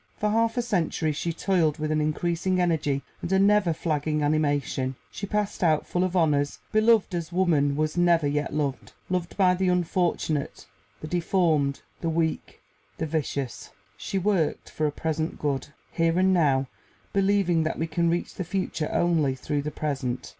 For half a century she toiled with an increasing energy and a never flagging animation. She passed out full of honors, beloved as woman was never yet loved loved by the unfortunate, the deformed, the weak, the vicious. She worked for a present good, here and now, believing that we can reach the future only through the present.